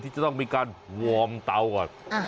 จะต้องมีการวอร์มเตาก่อน